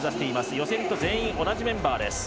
予選と全員同じメンバーです。